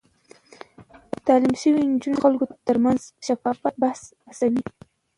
تعليم شوې نجونې د خلکو ترمنځ شفاف بحث هڅوي.